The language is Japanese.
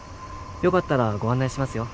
よかったらご案内しますよ。